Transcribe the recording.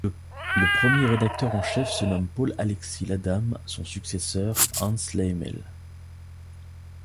Le premier rédacteur en chef se nomme Paul Alexis Ladame, son successeur, Hans Laemmel.